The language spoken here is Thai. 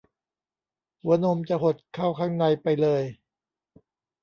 หัวนมจะหดเข้าข้างในไปเลย